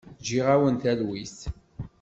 Ǧǧiɣ-awent talwit.